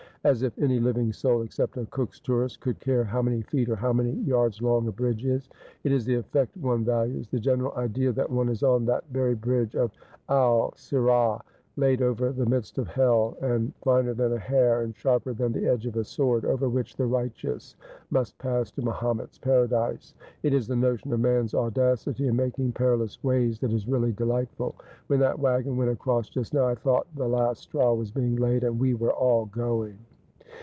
' As if any living soul, except a Cook's tourist, could care how many feet or how many yards long a bridge is. It is the effect one values, the general idea that one is on that very bridge of Al Sir&t, laid over the midst of hell, and finer than a hair, and sharper than the edge of a sword, over which the righteous must pass to Mahomet's paradise. It is the notion of man's audacity in making perilous ways that is really delightful. When that waggon went across just now, I thought the last straw was being laid, and we were all going.'